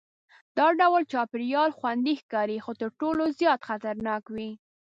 دا ډول چاپېریال خوندي ښکاري خو تر ټولو زیات خطرناک وي.